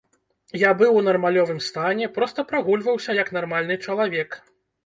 Я быў у нармальным стане, проста прагульваўся, як нармальны чалавек.